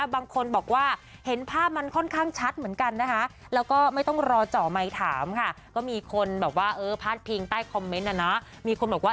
บางคนบอกว่าเห็นภาพมันค่อนข้างชัดเหมือนกันนะคะ